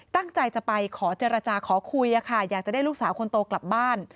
ตั้งใจจะไปขอเจรจาขอคุยอยากจะได้ลูกสาวคนโตกลับบ้าน